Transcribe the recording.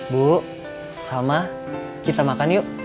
bu sama kita makan yuk